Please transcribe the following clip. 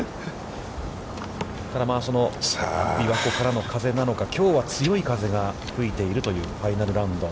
ただ、琵琶湖からの風なのか、きょうは強い風が吹いているというファイナルラウンド。